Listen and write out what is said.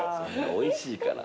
おいしいから。